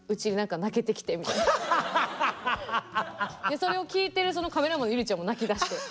それを聞いてるカメラマンの友莉ちゃんも泣きだして。